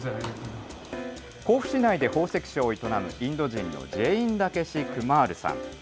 甲府市内で宝石商を営む、インド人のジェイン・ラケシ・クマールさん。